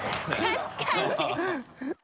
確かに